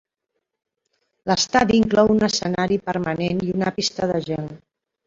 L'estadi inclou un escenari permanent i una pista de gel.